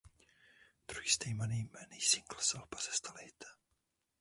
Druhý stejnojmenný singl z alba se stal hitem.